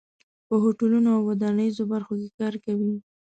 په هوټلونو او ودانیزو برخو کې کار کوي.